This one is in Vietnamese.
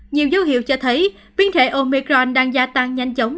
nhiều dấu hiệu cho thấy biến thể omicron đang gia tăng nhanh chóng